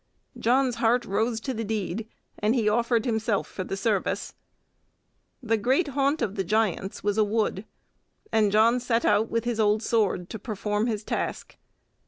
John's heart rose to the deed, and he offered himself for the service. The great haunt of the giants was a wood, and John set out with his old sword to perform his task.